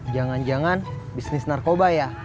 jangan jangan bisnis narkoba ya